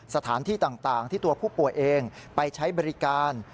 สถานที่ต่างที่ตัวผู้ป่วยเองไปใช้บริการ